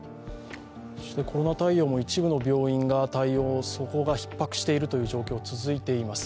コロナ対応も一部の病院が対応して、そこがひっ迫しているという状況、続いています。